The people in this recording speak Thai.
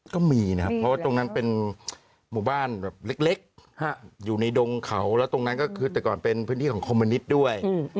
ก็มีนะครับเพราะว่าตรงนั้นเป็นหมู่บ้านแบบเล็กอยู่ในดงเขาแล้วตรงนั้นก็คือแต่ก่อนเป็นพื้นที่ของคอมมินิตด้วย